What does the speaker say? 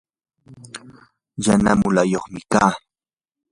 yana mulayuqmi kaa.